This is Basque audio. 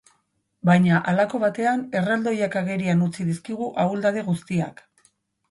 Baina halako batean, erraldoiak agerian utzi dizkigu ahuldade guztiak.